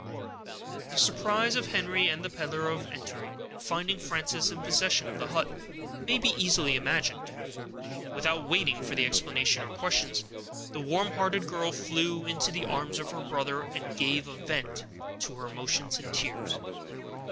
The surprise of Henry and the peddler, on entering and finding Frances in possession of the hut, may be easily imagined. Without waiting for explanations or questions, the warm hearted girl flew into the arms of her brother, and gave a vent to her emotions in tears.